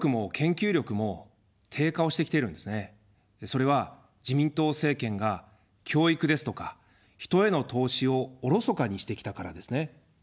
それは自民党政権が教育ですとか、人への投資をおろそかにしてきたからですね。